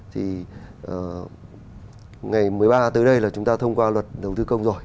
thì ngày một mươi ba tới đây là chúng ta thông qua luật đầu tư công rồi